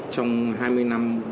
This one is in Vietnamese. trong hai mươi năm